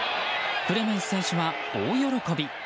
クレメンス選手は大喜び。